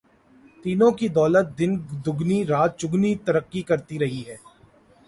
تینوں کی دولت دن دگنی رات چوگنی ترقی کرتی رہی ہے۔